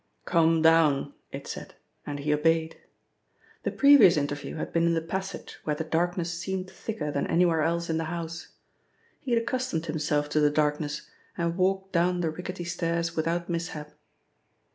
"Come down," it said, and he obeyed. The previous interview had been in the passage where the darkness seemed thicker than anywhere else in the house. He had accustomed himself to the darkness and walked down the rickety stairs without mishap.